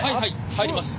入ります。